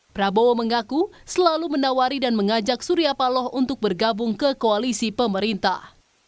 prabowo mengaku selalu menawari dan mengajak surya paloh untuk bergabung ke koalisi pemerintah